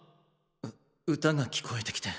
う歌が聞こえてきて。